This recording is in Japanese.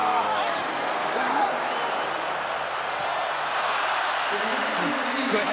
「すごい！」